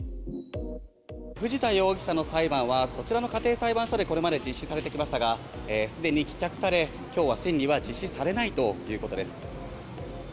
藤田容疑者の裁判はこちらの家庭裁判所でこれまで実施されてきましたがすでに棄却され今日は審理は実施されないということです。